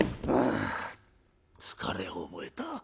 「あ疲れを覚えた。